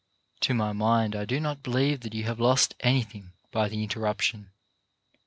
" To my mind I do not believe that you have lost anything by the interruption.